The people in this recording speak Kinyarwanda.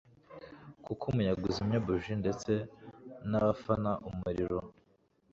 kuko umuyaga uzimya buji ndetse nabafana umuriro.”